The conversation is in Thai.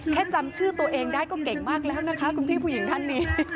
จำชื่อตัวเองได้ก็เก่งมากแล้วนะคะคุณพี่ผู้หญิงท่านนี้